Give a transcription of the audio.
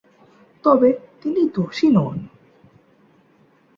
তবে তিনি দোষী নন।